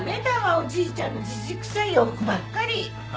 おじいちゃんのじじくさい洋服ばっかり。